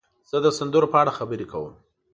زه د سندرو په اړه خبرې کوم.